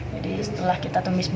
jadi setelah kita tumisnya